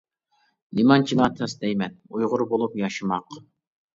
نېمانچىلا تەس دەيمەن، ئۇيغۇر بولۇپ ياشىماق!